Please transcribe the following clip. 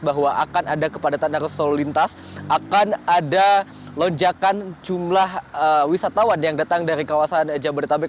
bahwa akan ada kepadatan arus lalu lintas akan ada lonjakan jumlah wisatawan yang datang dari kawasan jabodetabek